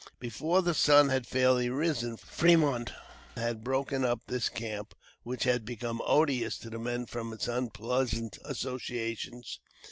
Before the sun had fairly risen, Fremont had broken up this camp, which had become odious to the men from its unpleasant associations.